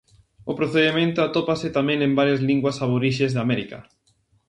O procedemento atópase tamén en varias linguas aborixes de América.